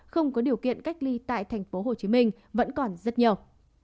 không có điều kiện cách ly tại tp hcm vẫn còn rất nhiều